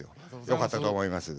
よかったと思います。